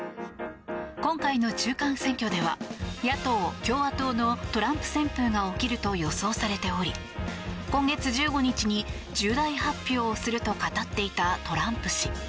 今回の中間選挙では野党・共和党のトランプ旋風が起きると予想されており今月１５日に重大発表をすると語っていたトランプ氏。